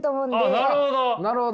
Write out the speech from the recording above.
あなるほど。